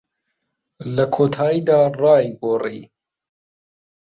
لە کۆتاییدا، ڕای گۆڕی.